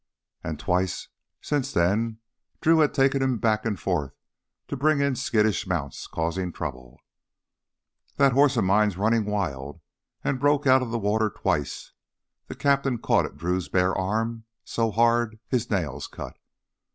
And twice since then Drew had taken him back and forth to bring in skittish mounts causing trouble. "That horse of mine's running wild; he broke out of the water twice." The captain caught at Drew's bare arm so hard his nails cut.